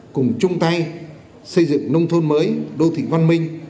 cùng chung tay xây dựng nông thôn mới đô thị văn minh